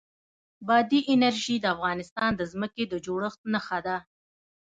بادي انرژي د افغانستان د ځمکې د جوړښت نښه ده.